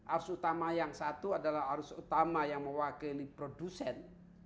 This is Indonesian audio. arus utama yang satu adalah arus utama yang mewakili produsen